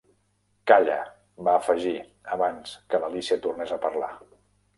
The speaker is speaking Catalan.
"Calla!" va afegir, abans que l'Alícia tornés a parlar.